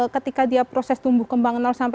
ketika dia proses tumbuh kembang sampai